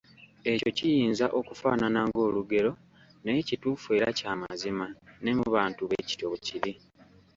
Ekyo kiyinza okufaanana ng'olugero, naye kituufu era kya mazima ne mu bantu bwe kityo bwe kiri.